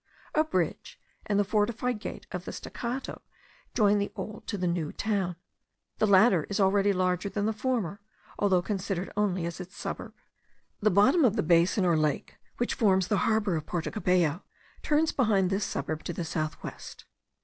A bridge and the fortified gate of the Staccado join the old to the new town; the latter is already larger than the former, though considered only as its suburb. The bottom of the basin or lake which forms the harbour of Porto Cabello, turns behind this suburb to the south west.